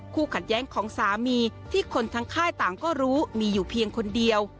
ขัดแย้งของสามีที่คนทั้งค่ายต่างก็รู้มีอยู่เพียงคนเดียว